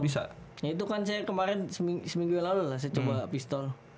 bisa itu kan saya kemarin seminggu yang lalu lah saya coba pistol